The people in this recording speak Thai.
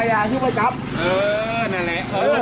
ไหมจับของ